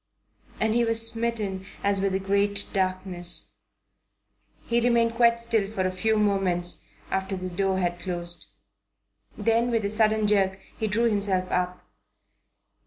And he was smitten as with a great darkness. He remained quite still for a few moments after the door had closed, then with a sudden jerk he drew himself up.